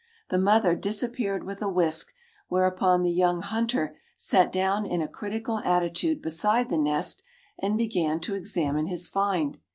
The mother disappeared with a whisk, whereupon the young hunter sat down in a critical attitude beside the nest and began to examine his find.